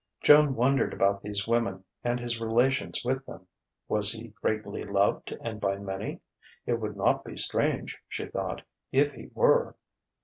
Joan wondered about these women and his relations with them. Was he greatly loved and by many? It would not be strange, she thought, if he were....